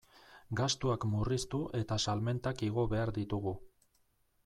Gastuak murriztu eta salmentak igo behar ditugu.